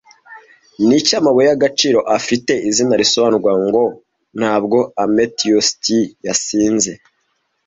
Niki amabuye y'agaciro afite izina risobanurwa ngo ntabwo Amethyst yasinze